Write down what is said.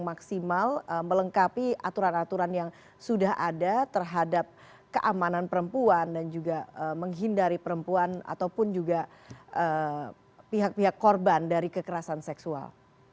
maksimal melengkapi aturan aturan yang sudah ada terhadap keamanan perempuan dan juga menghindari perempuan ataupun juga pihak pihak korban dari kekerasan seksual